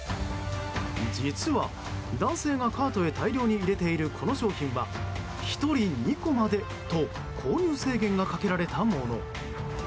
実は、男性がカートへ大量に入れているこの商品は１人２個までと購入制限がかけられたもの。